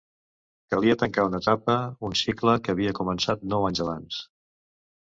Calia tancar una etapa, un cicle que havia començat nou anys abans.